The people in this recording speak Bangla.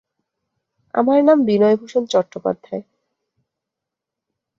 আমার নাম বিনয়ভূষণ চট্টোপাধ্যায়।